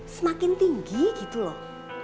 semakin tinggi gitu loh